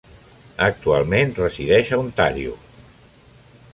Actualment resideix a Ontario.